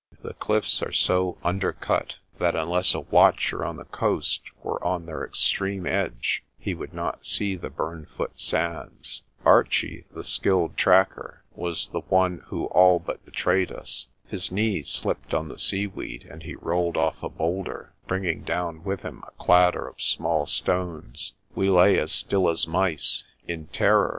The cliffs are so under cut that unless a watcher on the coast were on their extreme edge he would not see the burnfoot sands. Archie, the skilled tracker, was the one who all but be trayed us. His knee slipped on the seaweed, and he rolled off a boulder, bringing down with him a clatter of small stones. We lay as still as mice, in terror!